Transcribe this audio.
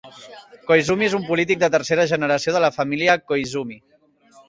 Koizumi és un polític de tercera generació de la família Koizumi.